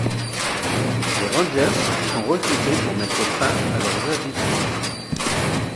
Des rangers sont recrutés pour mettre fin à leurs agissements.